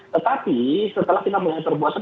tetapi setelah kita mulai perbuatan